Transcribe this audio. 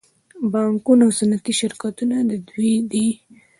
بانکونه او صنعتي شرکتونه د دوی دي